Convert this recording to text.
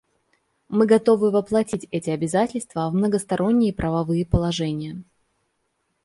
Мы готовы воплотить эти обязательства в многосторонние правовые положения.